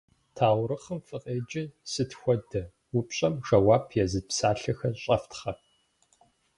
Таурыхъым фыкъеджи, «сыт хуэдэ?» упщӏэм жэуап езыт псалъэхэр щӏэфтхъэ.